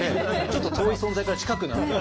ちょっと遠い存在から近くなった。